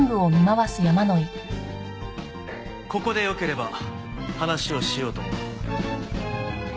ここでよければ話をしようと思うが。